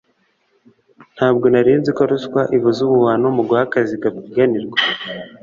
ntabwo nari nzi ko ruswa ivuza ubuhuha no mu guha akazi abagapiganirwa